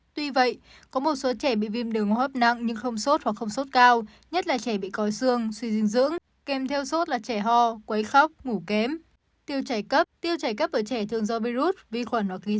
tuy vậy có một số trẻ bị viêm đường hốp nặng nhưng không sốt hoặc không sốt cao